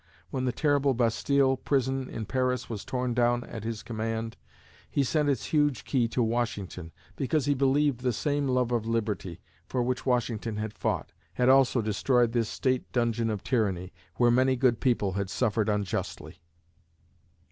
When the terrible Bastille prison in Paris was torn down at his command, he sent its huge key to Washington, because he believed the same love of liberty, for which Washington had fought, had also destroyed this state dungeon of tyranny, where many good people had suffered unjustly.